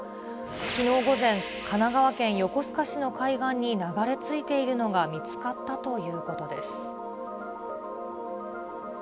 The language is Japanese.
きのう午前、神奈川県横須賀市の海岸に流れ着いているのが見つかったということです。